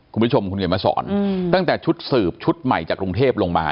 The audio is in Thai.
คุณผู้ชมคุณเขียนมาสอนตั้งแต่ชุดสืบชุดใหม่จากกรุงเทพลงมา